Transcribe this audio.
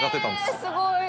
えすごい！